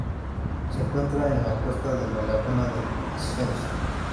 Se encuentra en la costa de la laguna de Szczecin.